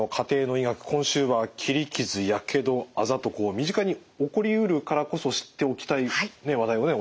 今週は切り傷やけどあざとこう身近に起こりうるからこそ知っておきたい話題をね